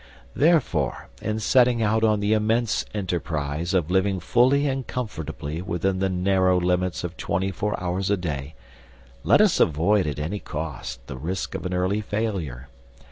Therefore, in setting out on the immense enterprise of living fully and comfortably within the narrow limits of twenty four hours a day, let us avoid at any cost the risk of an early failure.